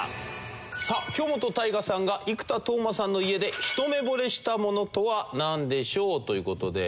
さあ京本大我さんが生田斗真さんの家でひと目ぼれした物とはなんでしょう？という事で。